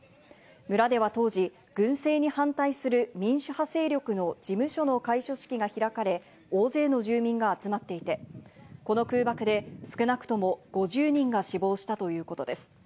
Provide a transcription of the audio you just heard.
村では当時、軍政に反対する民主派勢力の事務所の開所式が開かれ、大勢の住民が集まっていて、この空爆で少なくとも５０人が死亡したということです。